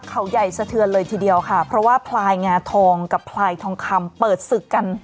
เขาใหญ่สะเทือนเลยทีเดียวค่ะเพราะว่าพลายงาทองกับพลายทองคำเปิดศึกกัน